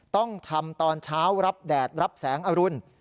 ต้องทำตอนเช้ารับแดดรับแสงอรุณ